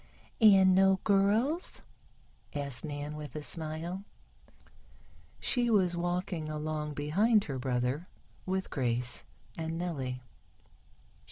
"And no girls?" asked Nan with a smile. She was walking along behind her brother, with Grace and Nellie.